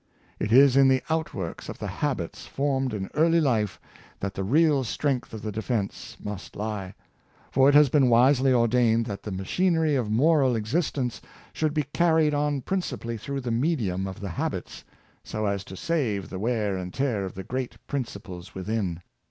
It is in the outworks of the habits formed in early life that the real strength of the defense must lie; for it has been wisely ordained that the ma chinery of moral existence should be carried on princi pally through the medium of the habits, so as to save the wear and tear of the great principles within.